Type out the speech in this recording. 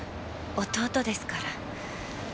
弟ですから。